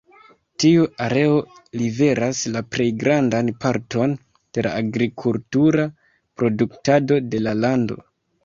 Tiu areo liveras la plej grandan parton de la agrikultura produktado de la lando.